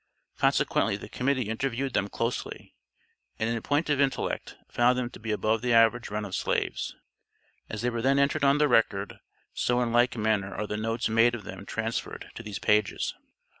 Consequently the Committee interviewed them closely, and in point of intellect found them to be above the average run of slaves. As they were then entered on the record, so in like manner are the notes made of them transferred to these pages.